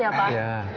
berangkat dulu ya pak